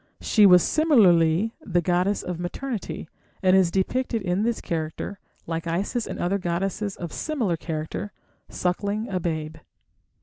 She was similarly the goddess of maternity, and is depicted in this character, like Isis and other goddesses of similar character, suckling a babe.